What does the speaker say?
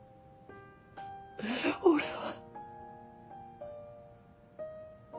俺は。